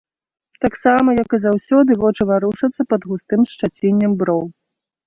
Таксама, як і заўсёды, вочы варушацца пад густым шчаціннем броў.